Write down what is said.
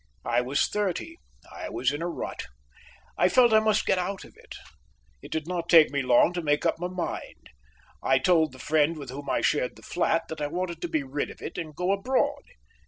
I was thirty. I was in a rut. I felt I must get out of it. It did not take me long to make up my mind. I told the friend with whom I shared the flat that I wanted to be rid of it and go abroad.